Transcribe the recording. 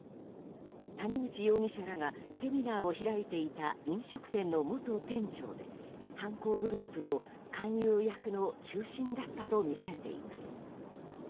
谷口容疑者らがセミナーを開いていた飲食店の元店長で犯行グループの勧誘役の中心だったとみられています。